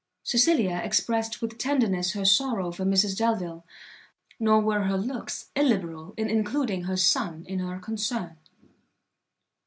Cecilia expressed with tenderness her sorrow for Mrs Delvile: nor were her looks illiberal in including her son in her concern.